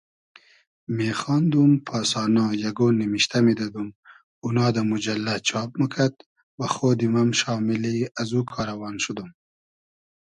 میخاندوم پاسانا یئگۉ نیمیشتۂ میدئدوم اونا دۂ موجئللۂ چاب موکئد وخۉدیم ام شامیلی از او کاروان شودوم